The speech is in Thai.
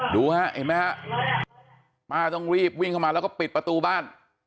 ดูฮะเห็นไหมฮะป้าต้องรีบวิ่งเข้ามาแล้วก็ปิดประตูบ้าน